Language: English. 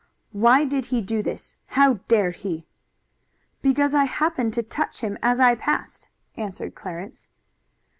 "Why did he do this? How dared he?" "Because I happened to touch him as I passed," answered Clarence.